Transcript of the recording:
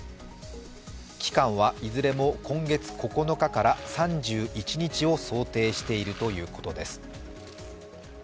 期間はいずれも今月９日から３１日を想定しているということです。